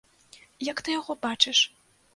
Як ты яго бачыш?